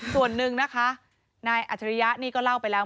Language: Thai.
ส่วนหนึ่งนะคะนายอัจฉริยะนี่ก็เล่าไปแล้ว